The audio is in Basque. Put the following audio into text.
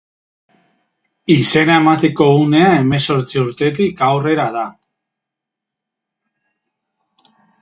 Izena emateko unea hemezortzi urtetik aurrera da.